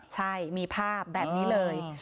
ใช่มีภาพแบบนี้เลย